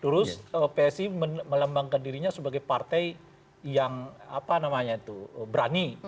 terus psi melambangkan dirinya sebagai partai yang berani